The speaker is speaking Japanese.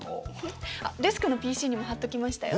あっデスクのＰＣにも貼っときましたよ。